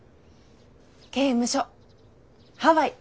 刑務所ハワイ。